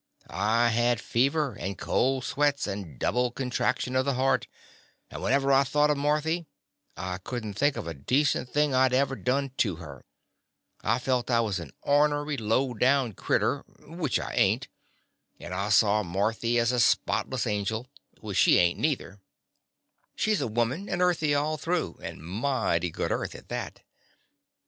I had fever, and cold sweats, and double contrac tion of the heart, and whenever I thought of Marthy, I could n't think of a decent thing that I 'd ever done to her. I felt I was an ornery, low The Confessions of a Daddy down critter — which I ain't — and I saw Marthy as a spotless angel — which she ain't neither. She 's woman and earthly all through, and mighty good earth at that.